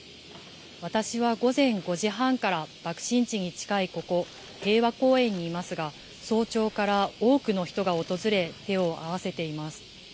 私は午前５時半から、爆心地に近いここ、平和公園にいますが、早朝から多くの人が訪れ、手を合わせています。